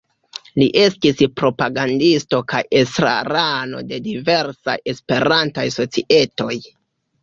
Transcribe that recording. Li estis propagandisto kaj estrarano de diversaj Esperantaj societoj.